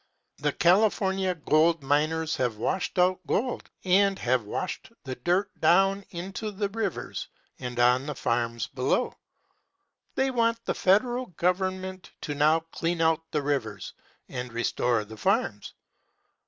The California gold miners have washed out gold, and have washed the dirt down into the rivers and on the farms below. They want the Federal Government to now clean out the rivers and restore the farms.